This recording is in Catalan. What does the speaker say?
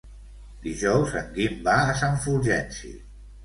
Dijous en Guim va a Sant Fulgenci.